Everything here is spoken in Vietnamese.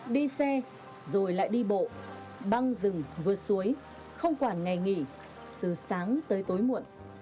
đi xe rồi lại đi bộ băng rừng vượt suối không quản ngày nghỉ từ sáng tới tối muộn